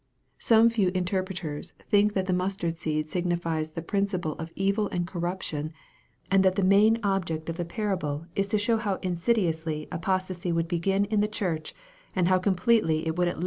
Some few interpreters think that the mustard seed signiQes the principle of evil and corruption, and that Ihe main object of the par able is to show how insidiously apostacy would begin in the church 4* 82 EXPOSITORY THOUGHTS.